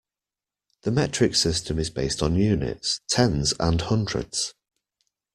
The metric system is based on units, tens and hundreds